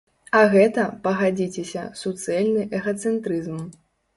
А гэта, пагадзіцеся, суцэльны эгацэнтрызм.